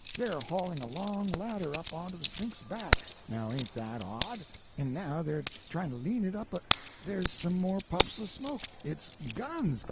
They're hauling a long ladder up onto the Sphinx's back—now ain't that odd? And now they're trying to lean it up a—there's some more puffs of smoke—it's guns!